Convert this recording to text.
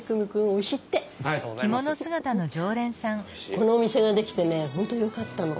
このお店が出来てね本当よかったの。